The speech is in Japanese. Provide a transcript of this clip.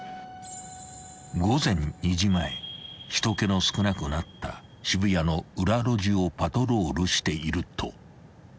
［人けの少なくなった渋谷の裏路地をパトロールしていると］